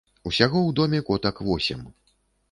Усяго ў доме котак восем.